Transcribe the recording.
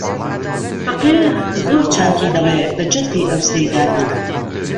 فەقێ زۆر چاکی دەڵێ بە جەددی ئەو سەیدانە